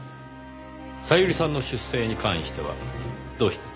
小百合さんの出生に関してはどうして？